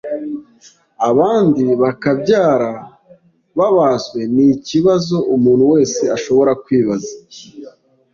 abandi bakabyara babazwe ni ikibazo umuntu wese ashobora kwibaza